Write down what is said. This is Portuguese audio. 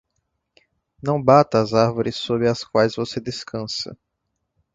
Não bata as árvores sob as quais você descansa.